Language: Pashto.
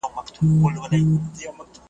خو ځول یې په سینو کي رنځور زړونه .